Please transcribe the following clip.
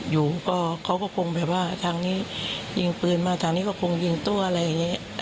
อยู่ก็เขาก็คงแบบว่าทางนี้ยิงปืนมาทางนี้ก็คงยิงตัวอะไรอย่างนี้